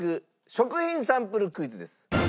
食品サンプルクイズです。